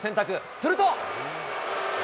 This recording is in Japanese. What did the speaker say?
すると。